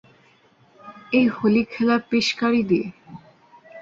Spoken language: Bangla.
এই হলি খেলার পিস্কারি দিয়ে?